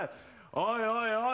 おいおいおい。